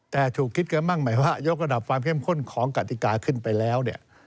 แต่ถูกคิดกันบ้างหมายว่ายกระดับความเข้มข้นของกติกาขึ้นไปแล้วเนี่ย